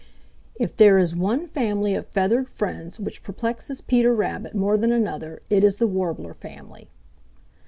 If there is one family of feathered friends which perplexes Peter Rabbit more than another, it is the Warbler family.